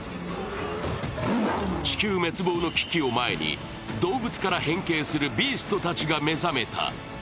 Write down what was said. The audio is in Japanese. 地球滅亡の危機を前に、動物から変形するビーストたちが目覚めた。